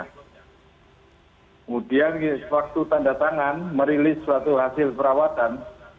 kemudian waktu tanda tangan merilis suatu hasil perawatan